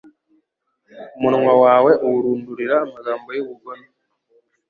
Umunwa wawe uwurundurira amagambo y’ubugome